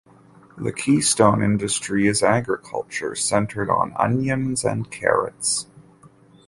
The keystone industry is agriculture, centered on onions and carrots.